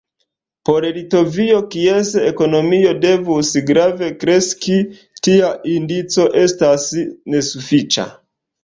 Por Litovio, kies ekonomio devus grave kreski, tia indico estas nesufiĉa.